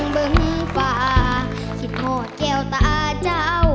ประธาเจิ่งทุ่มท้ามข่าว